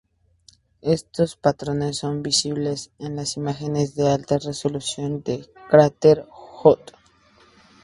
Estos patrones son visibles en las imágenes de alta resolución del Cráter Hutton.